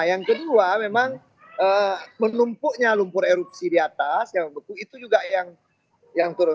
yang kedua memang menumpuknya lumpur erupsi di atas yang itu juga yang turun